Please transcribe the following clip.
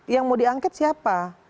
yang mau diangket siapa